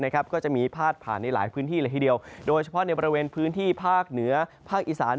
ก็จะมีพาดผ่านในหลายพื้นที่เลยทีเดียวโดยเฉพาะในบริเวณพื้นที่ภาคเหนือภาคอีสาน